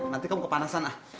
nanti kamu kepanasan lah